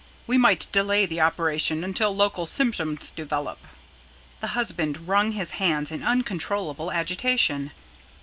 "We might delay the operation until local symptoms develop." The husband wrung his hands in uncontrollable agitation.